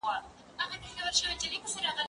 زه به سبا کتابتون ته ولاړم!؟